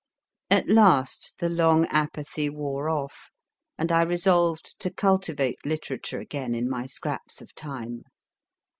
At last the long apathy wore off, and I resolved to cultivate literature again in my scraps of time.